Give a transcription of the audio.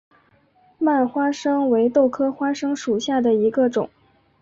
蔓花生为豆科花生属下的一个种。